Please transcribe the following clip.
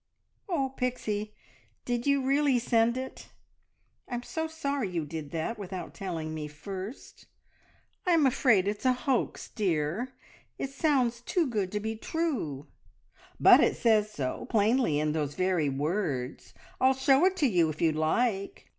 "Oh, Pixie, did you really send it? I'm so sorry you did that without telling me first. I'm afraid it's a hoax, dear! It sounds too good to be true!" "But it says so plainly in those very words. I'll show it to you if you like.